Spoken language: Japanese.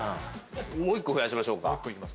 もう１個増やしましょうか。